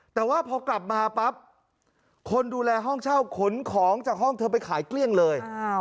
แต่ว่าพอกลับมาปั๊บคนดูแลห้องเช่าขนของจากห้องเธอไปขายเกลี้ยงเลย